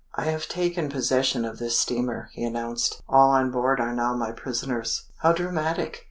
"I have taken possession of this steamer," he announced. "All on board are now my prisoners." "How dramatic!"